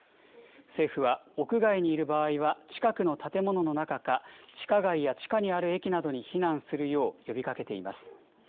政府は屋外にいる場合は、近くの建物の中か、地下街や地下にある駅などに避難するよう呼びかけています。